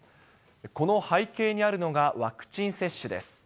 この背景にあるのが、ワクチン接種です。